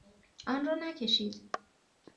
آن را نکشید.